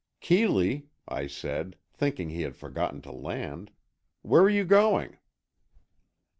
"Keeley," I said, thinking he had forgotten to land, "where are you going?"